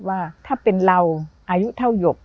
ว่าถ้าเป็นเราอายุเท่าหยก